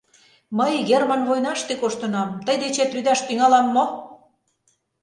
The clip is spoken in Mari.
«Мый герман войнаште коштынам, тый дечет лӱдаш тӱҥалам мо!..»